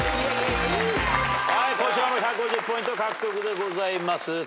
こちらも１５０ポイント獲得でございます。